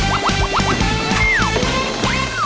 ออบจอร์ภาษาโรค